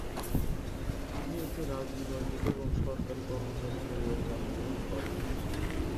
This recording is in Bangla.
তিনি একটি রাজনৈতিক এবং সরকারী কর্মচারী পরিবারে জন্মগ্রহণ করেন।